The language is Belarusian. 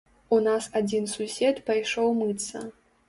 У нас адзін сусед пайшоў мыцца.